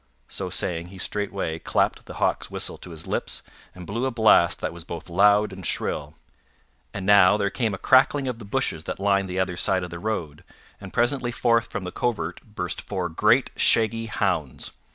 So saying, he straightway clapped the hawk's whistle to his lips and blew a blast that was both loud and shrill. And now there came a crackling of the bushes that lined the other side of the road, and presently forth from the covert burst four great, shaggy hounds.